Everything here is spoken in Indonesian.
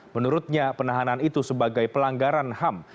menurutnya penahanan itu sebagai pelanggaran ham